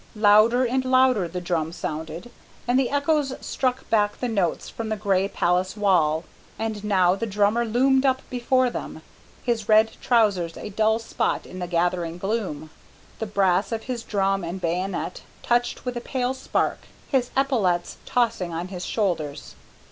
Louder and louder the drum sounded, and the echoes struck back the notes from the grey palace wall; and now the drummer loomed up before them his red trousers a dull spot in the gathering gloom, the brass of his drum and bayonet touched with a pale spark, his epaulettes tossing on his shoulders.